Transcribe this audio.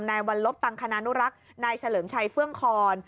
นายวัลลบตังคณานุรักษ์นายเฉลิมชัยเฟื่องคอน